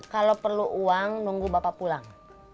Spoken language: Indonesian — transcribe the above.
kalau perlu uang nunggu bapak pulang